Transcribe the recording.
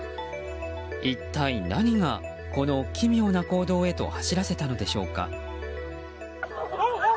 一体何が、この奇妙な行動へと走らせたのでしょうか。